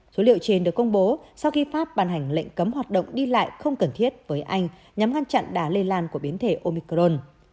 số liệu trên được công bố sau khi pháp bàn hành lệnh cấm hoạt động đi lại không cần thiết với anh nhằm ngăn chặn đá lây lan của biến thể omicron